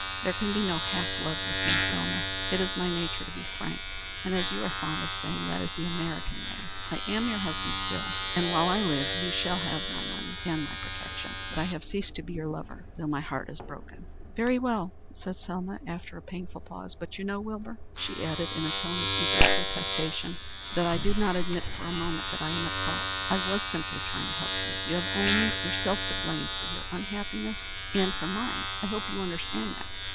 There can be no half love with me, Selma. It is my nature to be frank, and as you are fond of saying, that is the American way. I am your husband still, and while I live you shall have my money and my protection. But I have ceased to be your lover, though my heart is broken." "Very well," said Selma, after a painful pause. "But you know, Wilbur," she added in a tone of eager protestation, "that I do not admit for a moment that I am at fault. I was simply trying to help you. You have only yourself to blame for your unhappiness and and for mine. I hope you understand that."